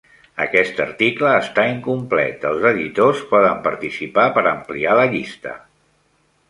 Aquest article està incomplet, els editors poden participar per ampliar la llista.